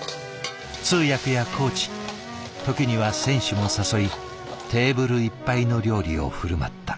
通訳やコーチ時には選手も誘いテーブルいっぱいの料理を振る舞った。